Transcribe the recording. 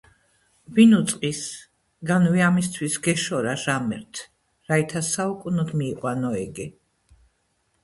ვინ უწყის, გან-ვე ამისთვს- გეშორა ჟამერთ, რაითა საუკუნოდ მიიყვანო იგი,